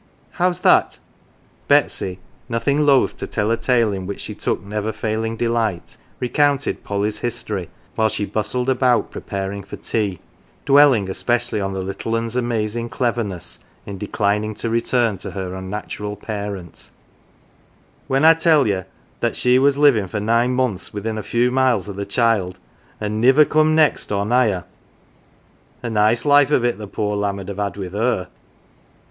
" How's that ?" Betsy, nothing loth to tell a tale in which she took never failing delight, recounted Polly's history while she bustled about preparing for tea ; dwelling especially on the little un's amazing cleverness in declining to return to her unnatural parent. " When I tell ye that she was living for nine months within a few miles o' the child, an 1 niver come next or nigh her. A nice life of it the poor lamb 'ud have had with her."